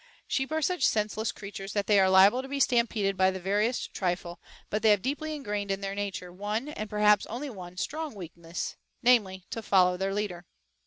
Sheep are such senseless creatures that they are liable to be stampeded by the veriest trifle, but they have deeply ingrained in their nature one, and perhaps only one, strong weakness, namely, to follow their leader.